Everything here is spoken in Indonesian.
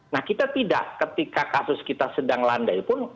nah kita tidak ketika kasus kita sedang landai pun